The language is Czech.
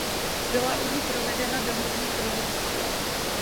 Byla u ní provedena domovní prohlídka.